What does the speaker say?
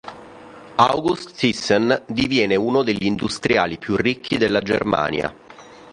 August Thyssen diviene uno degli industriali più ricchi della Germania.